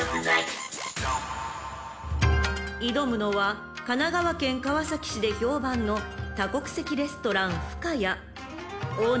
［挑むのは神奈川県川崎市で評判の多国籍レストランふか屋］